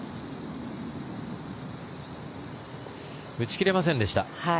打ち切れませんでした。